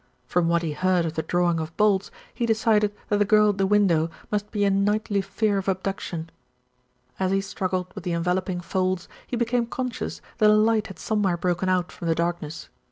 From what he heard of the drawing of bolts, he decided that the girl at the window must be in nightly fear of abduc tion. As he struggled with the enveloping folds, he be came conscious that a light had somewhere broken out from the darkness.